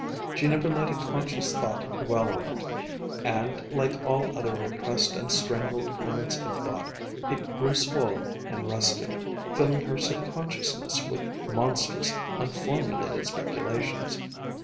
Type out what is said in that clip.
She never let a conscious thought dwell on it and like all other repressed and strangled currents of thought, it grew swollen and restive, filling her subconsciousness with monstrous, unformulated speculations.